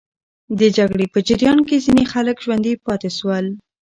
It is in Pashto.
د جګړې په جریان کې ځینې خلک ژوندي پاتې سول.